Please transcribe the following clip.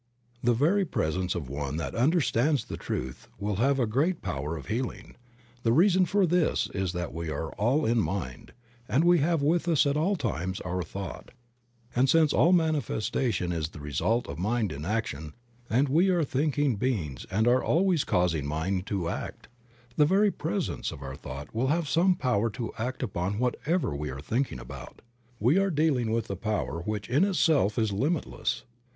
'THE very presence of one that understands the truth will have a great power of healing. The reason for this is that we are all in Mind, and we have with us at all times our thought, and since all manifestation is the result of mind in action, and we are thinking beings and are always causing mind to act, the very presence of our thought will have some power to act upon whatever we are thinking about. We are dealing with a power which in itself is limitless.